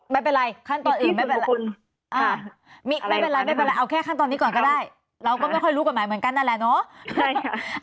ไม่เป็นไรขั้นตอนอื่นไม่เป็นไรไม่เป็นไรเอาแค่ขั้นตอนนี้ก่อนก็ได้เราก็ไม่ค่อยรู้กฎหมายเหมือนกันนั่นแหละเนาะ